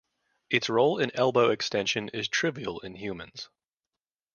Its role in elbow extension is trivial in humans.